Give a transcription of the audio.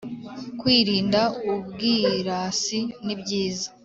Kwirinda ubwirasi nibyiza